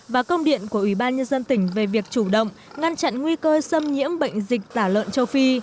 và công điện của ủy ban nhân dân tỉnh về việc chủ động ngăn chặn nguy cơ xâm nhiễm bệnh dịch tả lợn châu phi